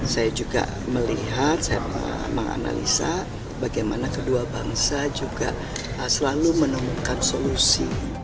saya juga melihat saya menganalisa bagaimana kedua bangsa juga selalu menemukan solusi